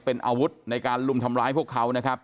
เป็นอาวุธในการลุมทำร้ายพวกเขานะครับ